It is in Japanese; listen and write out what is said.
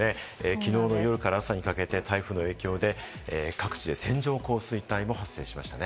きのうの夜から朝にかけて、台風の影響で各地で線状降水帯も発生しましたね。